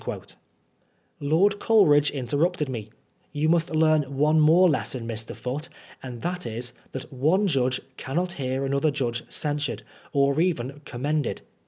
*' Lord Coleridge interrupted me. " You must learn one more lesson, Mr. Foote, and that is, that one judge cannot hear another judge censured, or even com mended."